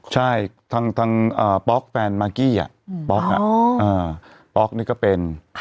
ใช่ทางป๊อกแฟนมากกี้ป๊อกป๊อกนี่ก็เป็น